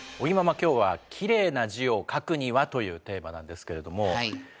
今日はきれいな字を書くにはというテーマなんですけれども。